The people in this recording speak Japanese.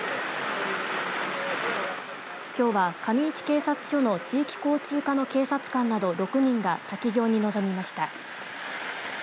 きょうは上市警察署の地域交通課の警察官など６人が滝行に臨みました。